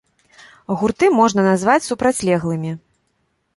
Гурты можна назваць супрацьлеглымі.